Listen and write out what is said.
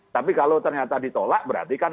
tapi kalau ternyata ditolak berarti kan